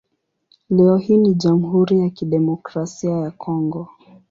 Leo hii ni Jamhuri ya Kidemokrasia ya Kongo.